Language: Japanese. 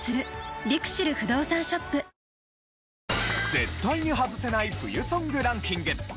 絶対にハズせない冬ソングランキング。